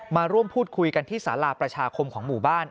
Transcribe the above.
มาร่วมพูดคุยกันที่สาราประชาคมของหมู่บ้าน